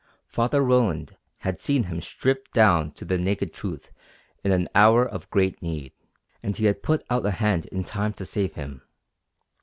Father Roland had seen him stripped down to the naked truth in an hour of great need, and he had put out a hand in time to save him.